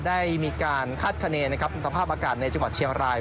ได้มีการคาดคณีย์อุตสาภาพอากาศในจังหวัดเชียวราย